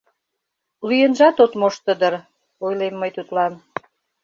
— Лӱенжат от мошто дыр, — ойлем мый тудлан.